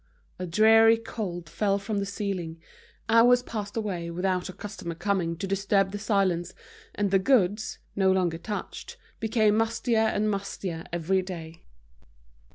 A dreary cold fell from the ceiling, hours passed away without a customer coming to disturb this silence, and the goods, no longer touched, became mustier and mustier every day.